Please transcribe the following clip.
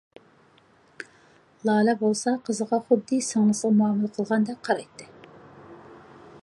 لالە بولسا قىزىغا خۇددى سىڭلىسىغا مۇئامىلە قىلغاندەك قارايتتى.